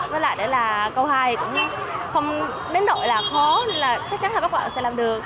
với lại đấy là câu hai cũng không đến đội là khó nên là chắc chắn là các bạn sẽ làm được